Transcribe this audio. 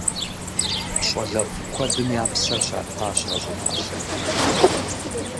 ЩӀалэфӀ куэдым я псэр щатащ а щӀыналъэм.